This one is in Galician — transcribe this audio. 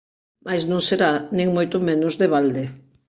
Mais non será, nin moito menos, de balde.